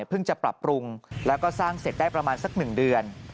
จะปรับปรุงแล้วก็สร้างเสร็จได้ประมาณสัก๑เดือน